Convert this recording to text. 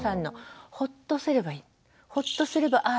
ほっとすればあ